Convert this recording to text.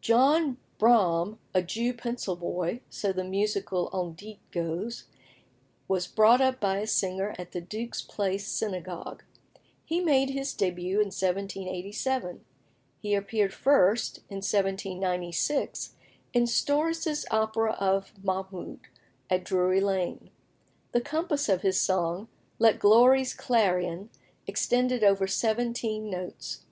John Braham, a Jew pencil boy so the musical on dit goes was brought up by a singer at the Duke's Place Synagogue. He made his début in 1787. He appeared first, in 1796, in Storace's opera of "Mahmoud," at Drury Lane. The compass of his song, "Let Glory's Clarion," extended over seventeen notes.